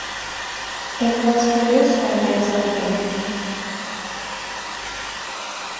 It was produced by Basil Dean.